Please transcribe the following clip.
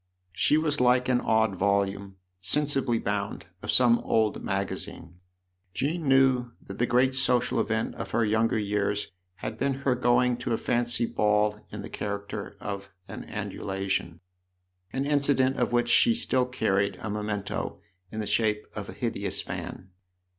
She was like an odd volume, " sensibly " bound, of some old magazine. Jean knew that the great social event of her younger years had been her going to a fancy ball in the character of an Andalusian, an incident of which she still carried a memento in the shape of a hideous fan.